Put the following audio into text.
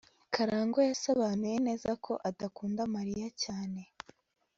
karangwa yasobanuye neza ko adakunda mariya cyane